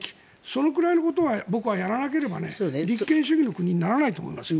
そのくらいのことはやらなければ立憲主義の国にはならないと思いますよ。